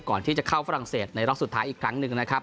ก่อนที่จะเข้าฝรั่งเศสในรอบสุดท้ายอีกครั้งหนึ่งนะครับ